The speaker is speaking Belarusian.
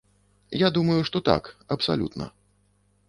Я думаю, што так, абсалютна.